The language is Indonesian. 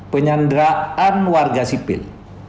penyanderaan warga sipil